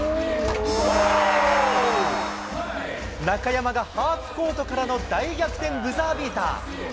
なかやまがハーフコートからの大逆転ブザービーター。